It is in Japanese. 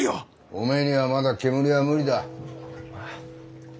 おめえにはまだ煙は無理だ。え。